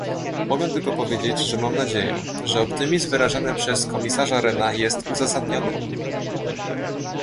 Mogę tylko powiedzieć, że mam nadzieję, że optymizm wyrażany przez komisarza Rehna jest uzasadniony